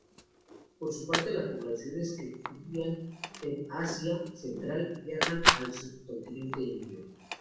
Por su parte las poblaciones que crían en Asia central viajan al Subcontinente indio.